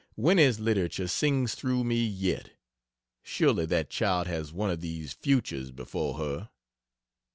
Winnie's literature sings through me yet! Surely that child has one of these "futures" before her.